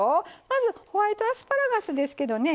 まずホワイトアスパラガスですけどね